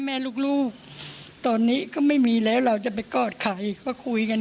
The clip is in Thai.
แม่ลูกตอนนี้ก็ไม่มีแล้วเราจะไปกอดใครก็คุยกัน